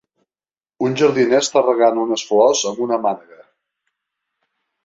Un jardiner està regant unes flors amb una mànega.